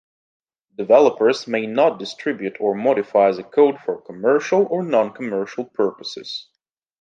Developers may not distribute or modify the code for commercial or non-commercial purposes.